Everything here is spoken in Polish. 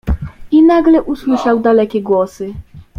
I nagle usłyszał dalekie głosy.